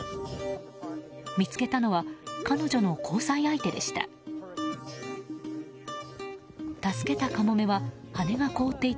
見つけたのは彼女の交際相手でした。